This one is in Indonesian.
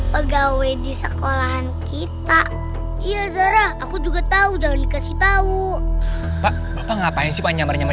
pegawai di sekolahan kita iya zara aku juga tahu udah dikasih tahu apa ngapain sih panjangannya